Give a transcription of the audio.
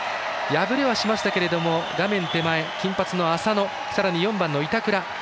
敗れはしましたけれども金髪の浅野、さらに４番の板倉